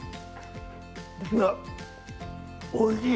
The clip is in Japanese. おいしい！